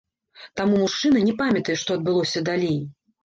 Таму мужчына не памятае, што адбылося далей.